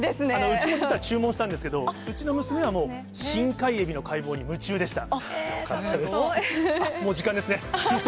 うちも実は注文したんですけど、うちの娘は、深海エビの解剖に夢中でした。